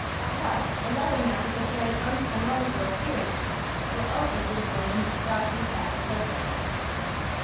A harp, and other matters of a very uncanonical appearance, were also visible when this dark recess was opened.